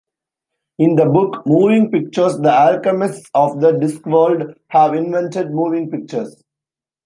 In the book "Moving Pictures", the alchemists of the Discworld have invented moving pictures.